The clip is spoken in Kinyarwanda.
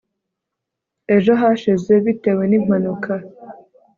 ejo hashize bitewe nimpanuka